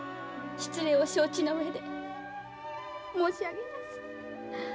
失礼を承知の上で申し上げます。